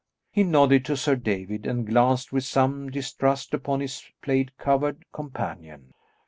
He nodded to Sir David, and glanced with some distrust upon his plaid covered companion.